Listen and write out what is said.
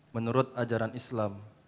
menurut ajaran islam